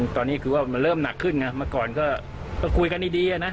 ตอนนี้คือว่าเริ่มหนักขึ้นมาก่อนก็คุยกันดีนะ